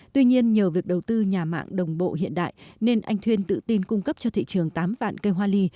tuy nhiên nhờ việc đầu tư nhà mạng đồng bộ hiện đại nên anh thuyên tự tin cung cấp cho thị trường tám vạn cây hoa ly